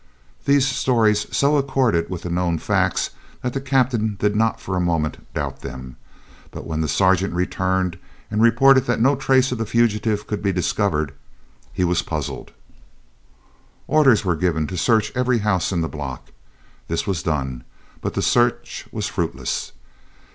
These stories so accorded with the known facts that the captain did not for a moment doubt them. But when the sergeant returned and reported that no trace of the fugitive could be discovered, he was puzzled. Orders were given to search every house in the block. This was done, but the search was fruitless.